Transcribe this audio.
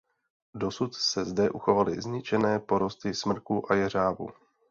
Dosud se zde uchovaly zničené porosty smrku a jeřábu.